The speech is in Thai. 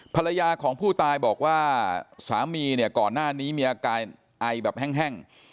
ภรรยาของผู้ตายบอกว่าสามีเนี่ยก่อนหน้านี้มีอาการไอแบบแห้ง